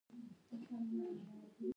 هیواد مې د خپلواکۍ ګهواره ده